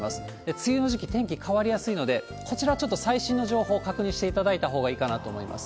梅雨の時期、天気変わりやすいので、こちらはちょっと最新の情報確認していただいたほうがいいかなと思います。